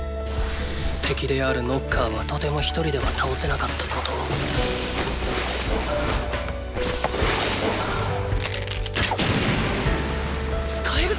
敵であるノッカーはとても一人では倒せなかったことをーー使えるぞ！